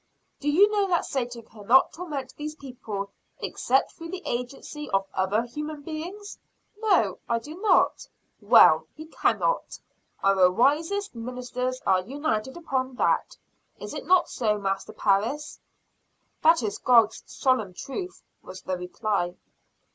"Do you know that Satan cannot torment these people except through the agency of other human beings?" "No, I do not." "Well, he cannot our wisest ministers are united upon that. Is it not so, Master Parris?" "That is God's solemn truth," was the reply.